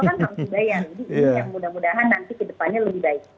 jadi ini yang mudah mudahan nanti ke depannya lebih baik